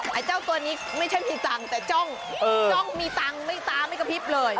ไอ้เจ้าตัวนี้ไม่ใช่มีตังค์แต่จ้องจ้องมีตังค์ไม่ตาไม่กระพริบเลย